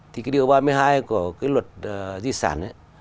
thì cái điều ba mươi hai của cái luật di sản ấy